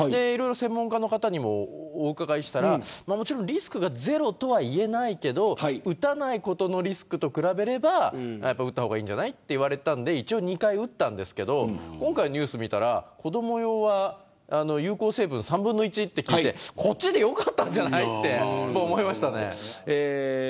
いろいろ専門家の方にもお伺いしたらもちろんリスクがゼロとは言えないけど打たないことのリスクに比べればやっぱり打った方がいいんじゃないと言われたので一応２回打ったんですけど今回のニュース見たら子ども用は有効成分３分の１と聞いてこっちでよかったんじゃないって思いましたね。